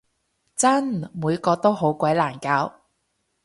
真！每個都好鬼難搞